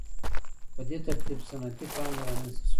په دې ترتیب صنعتي پانګه رامنځته شوه.